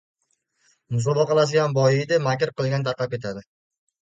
• Musobaqalashgan boyiydi, makr qilgan tarqab ketadi.